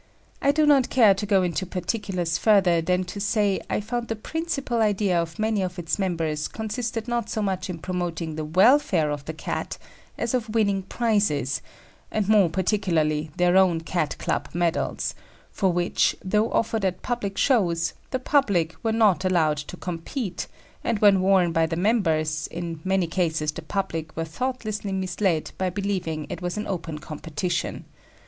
I do not care to go into particulars further than to say I found the principal idea of many of its members consisted not so much in promoting the welfare of the Cat as of winning prizes, and more particularly their own Cat Club medals, for which, though offered at public shows, the public were not allowed to compete, and when won by the members, in many cases the public were thoughtlessly misled by believing it was an open competition.